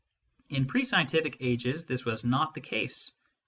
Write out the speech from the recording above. In pre scientific ages this was not the case.